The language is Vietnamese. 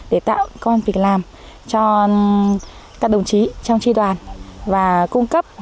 để bà con được sử dụng